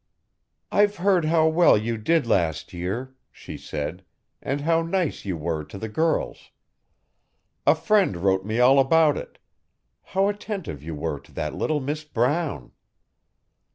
'I've heard how well you did last year,' she said, 'and how nice you were to the girls. A friend wrote me all about it. How attentive you were to that little Miss Brown!